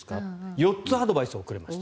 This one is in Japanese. ４つアドバイスをくれました。